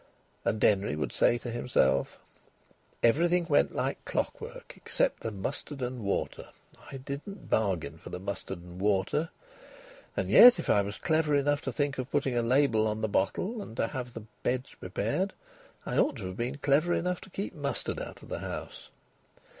And Denry would say to himself: "Everything went like clockwork, except the mustard and water. I didn't bargain for the mustard and water. And yet, if I was clever enough to think of putting a label on the bottle and to have the beds prepared, I ought to have been clever enough to keep mustard out of the house."